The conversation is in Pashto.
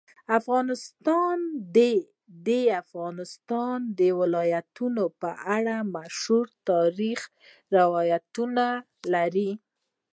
افغانستان د د افغانستان ولايتونه په اړه مشهور تاریخی روایتونه لري.